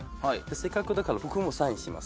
せっかくだから僕もサインします。